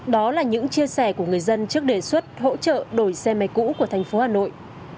đó là những chia sẻ của người dân trước đề xuất hỗ trợ đổi xe máy cũ của thành phố hà nội